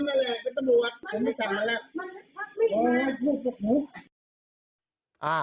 มันเป็นทักลิ่นแหละ